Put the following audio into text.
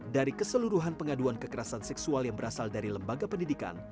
dari keseluruhan pengaduan kekerasan seksual yang berasal dari lembaga pendidikan